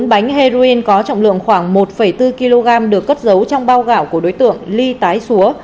bốn bánh heroin có trọng lượng khoảng một bốn kg được cất giấu trong bao gạo của đối tượng ly tái xúa